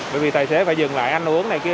bởi vì tài xế phải dừng lại ăn uống này kia